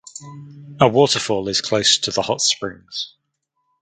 A waterfall is close to the hot springs.